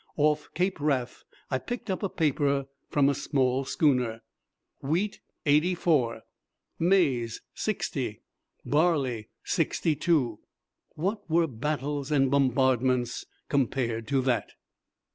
Off Cape Wrath I picked up a paper from a small schooner. "Wheat, 84; Maize, 60; Barley, 62." What were battles and bombardments compared to that!